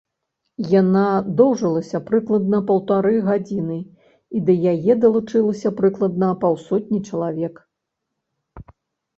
Яна доўжылася прыкладна паўтары гадзіны і да яе далучылася прыкладна паўсотні чалавек.